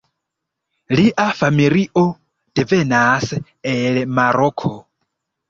Lia familio devenas el Maroko.